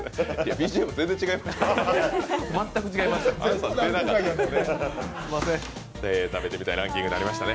ＢＧＭ全然違いましたね。